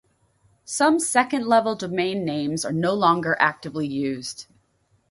Some second-level domain names are no longer actively used.